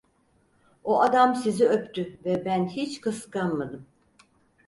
O adam sizi öptü ve ben hiç kıskanmadım.